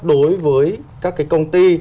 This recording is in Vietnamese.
đối với các cái công ty